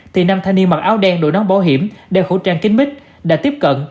thì nam thanh niên mặc áo đen đội nón bảo hiểm đeo khẩu trang kính mít đã tiếp cận